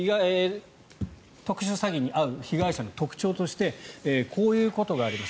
特殊詐欺に遭う被害者の特徴としてこういうことがあります。